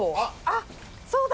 あっそうだ！